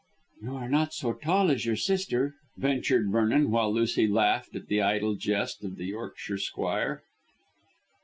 "You are not so tall as your sister," ventured Vernon, while Lucy laughed at the idle jest of the Yorkshire squire.